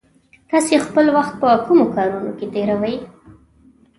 تاسې خپل وخت په کومو کارونو کې تېروئ؟